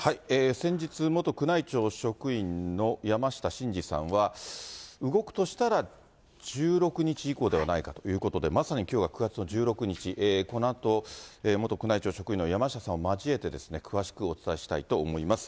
先日、元宮内庁職員の山下しんじさんは動くとしたら、１６日以降ではないかということで、まさにきょうが９月の１６日、このあと、元宮内庁職員の山下さん交えて、詳しくお伝えしたいと思います。